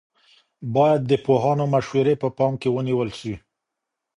باید د پوهانو مشورې په پام کې ونیول سي.